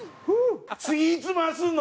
次いつ回すの？